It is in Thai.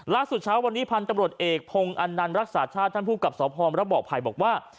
เช้าวันนี้พันธุ์ตำรวจเอกพงศ์อันนันรักษาชาติท่านผู้กับสพมระบอกภัยบอกว่า